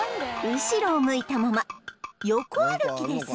後ろを向いたまま横歩きで進みます